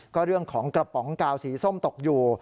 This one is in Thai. ก็เรื่องของกระป๋องกาวสีส้มตกอยู่